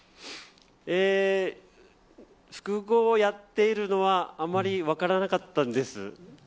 複合をやっているのはあまり分からなかったんです。